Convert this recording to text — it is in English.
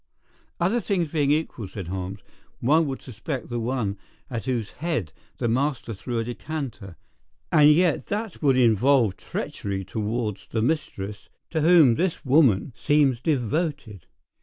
"Other things being equal," said Holmes, "one would suspect the one at whose head the master threw a decanter. And yet that would involve treachery towards the mistress to whom this woman seems devoted.